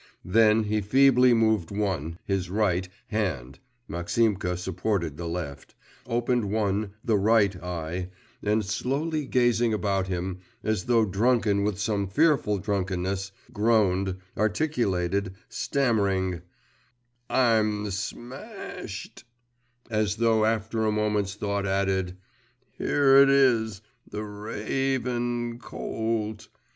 … Then he feebly moved one, his right, hand (Maximka supported the left), opened one, the right eye, and slowly gazing about him, as though drunken with some fearful drunkenness, groaned, articulated, stammering, 'I'm sma ashed …' and as though after a moment's thought, added, 'here it is, the ra … aven co … olt!